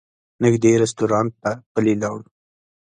نږدې رسټورانټ ته پلي لاړو.